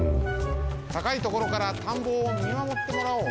たかいところからたんぼをみまもってもらおう。